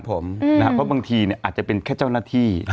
เพราะบางทีอาจจะเป็นแค่เจ้าหน้าที่